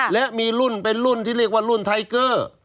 และมีรุ่นเป็นรุ่นที่เรียกว่ารุ่นไทเกอร์